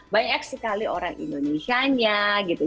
banyak sekali orang indonesianya gitu